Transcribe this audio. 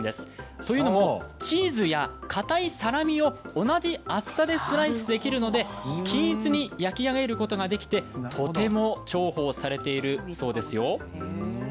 というのもチーズやかたいサラミを同じ厚さにスライスできるので均一に焼き上げることができてとても重宝されているそうですよ。